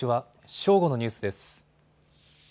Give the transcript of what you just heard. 正午のニュースです。